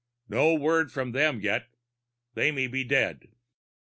No word from them yet. They may be dead.